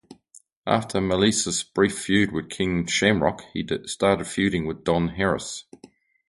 After Malice's brief feud with Ken Shamrock, he started feuding with Don Harris.